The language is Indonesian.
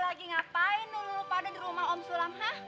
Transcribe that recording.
pada lagi ngapain lu pada di rumah om sulam ha